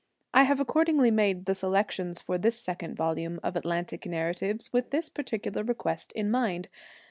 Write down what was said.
I have accordingly made the selections for this second volume of Atlantic Narratives with this particular request in mind.